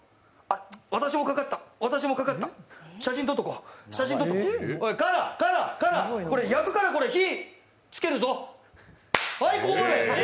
私もかかった、私もかかった、写真撮っとこう、写真撮っとこうこれ、焼くから、火つけるぞ。